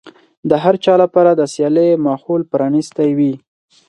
د هر چا لپاره د سيالۍ ماحول پرانيستی وي.